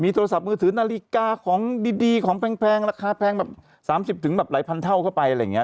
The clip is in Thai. โทรศัพท์มือถือนาฬิกาของดีของแพงราคาแพงแบบ๓๐แบบหลายพันเท่าเข้าไปอะไรอย่างนี้